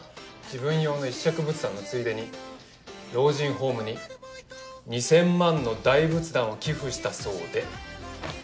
自分用の１尺仏壇のついでに老人ホームに２，０００万の大仏壇を寄付したそうで。